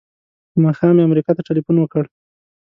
په ماښام مې امریکا ته ټیلفون وکړ.